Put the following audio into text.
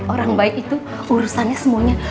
orang baik itu urusannya semuanya